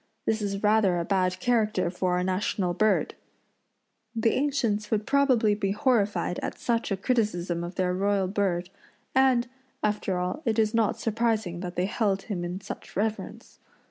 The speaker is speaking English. This is rather a bad character for our national bird. The ancients would probably be horrified at such a criticism of their royal bird, and, after all, it is not surprising that they held him in such reverence.